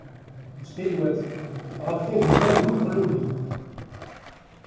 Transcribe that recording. Ttxilwat, ɣret-d agemmay buneqlubi.